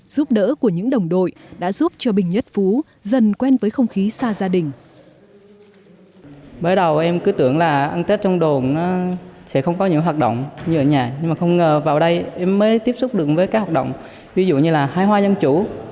giúp đỡ của những đồng đội đã giúp cho bình nhất phú dần quen với không khí xa gia đình